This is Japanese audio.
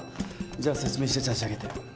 じゃあ説明して差し上げて。